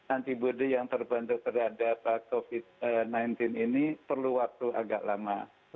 antibody yang terbentuk terhadap covid sembilan belas ini perlu waktu agak lama